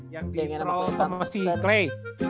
yang di troll sama si clay